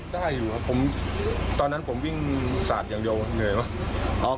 ได้อยู่ครับผมตอนนั้นผมวิ่งสาดอย่างเดียวเหนื่อยไหม